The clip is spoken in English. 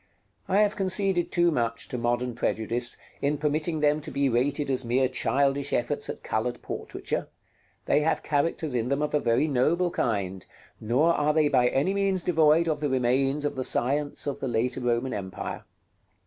I have conceded too much to modern prejudice, in permitting them to be rated as mere childish efforts at colored portraiture: they have characters in them of a very noble kind; nor are they by any means devoid of the remains of the science of the later Roman empire.